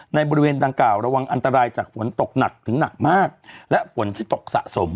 บริเวณดังกล่าวระวังอันตรายจากฝนตกหนักถึงหนักมากและฝนที่ตกสะสม